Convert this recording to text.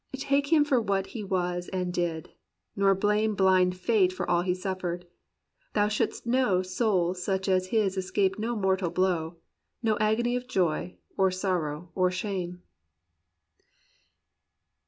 Take him for what he was and did — nor blame Blind fate for all he suflPered. Thou shouldst know Souls such as his escap)e no mortal blow — No agony of joy, or sorrow, or shame."